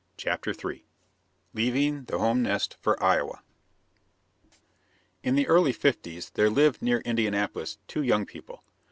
] CHAPTER THREE LEAVING THE HOME NEST FOR IOWA IN the early '50's there lived near Indianapolis two young people.